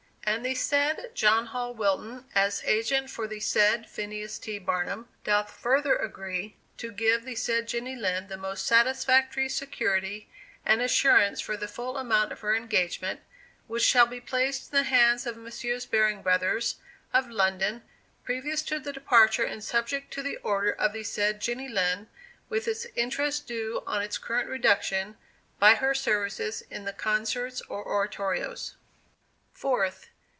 And the said John Hall Wilton, as agent for the said Phineas T. Barnum, doth further agree to give the said Jenny Lind the most satisfactory security and assurance for the full amount of her engagement, which shall be placed in the hands of Messrs. Baring Brothers, of London, previous to the departure and subject to the order of the said Jenny Lind, with its interest due on its current reduction, by her services in the concerts or oratorios. 4th.